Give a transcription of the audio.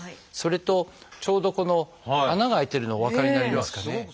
それとちょうどこの穴が開いてるのお分かりになりますかね。